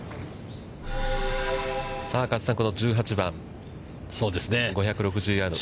加瀬さん、この１８番、５６０ヤード。